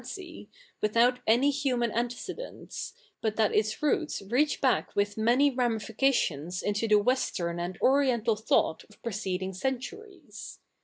icy, without any human ante cedents, but that its roots reach back with many ramifica tio?is ifito the westerji and oriefital thought of preceding centuries.